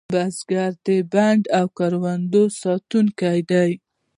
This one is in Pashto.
بزګر د بڼو او کروندو ساتونکی دی